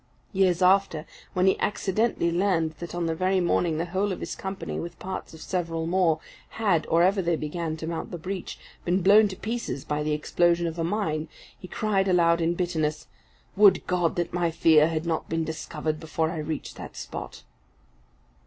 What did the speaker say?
Years after, when he accidentally learned that on that very morning the whole of his company, with parts of several more, had, or ever they began to mount the breach, been blown to pieces by the explosion of a mine, he cried aloud in bitterness, "Would God that my fear had not been discovered before I reached that spot!"